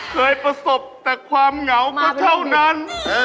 เคยประสบแต่ความเหงาก็เท่านั้น